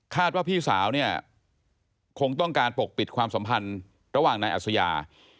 ว่าพี่สาวเนี่ยคงต้องการปกปิดความสัมพันธ์ระหว่างนายอัศยา